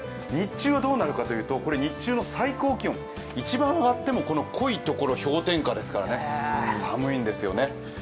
日中はどうなるかというと、日中の最高気温、一番上がっても濃いところ氷点下ですから寒いんですよね。